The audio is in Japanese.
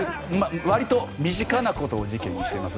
わりと身近なことを事件にしています。